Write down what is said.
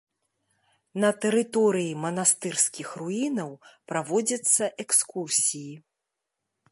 На тэрыторыі манастырскіх руінаў праводзяцца экскурсіі.